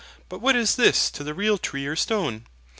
But what is this to the real tree or stone?